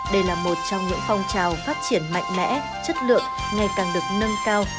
đây là một trong những phong trào phát triển mạnh mẽ chất lượng ngày càng được nâng cao